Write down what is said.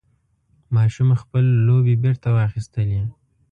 ماشوم خپل لوبعې بېرته واخیستلې.